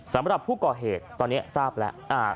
สำหรับผู้ก่อเหตุตอนนี้ทราบแล้ว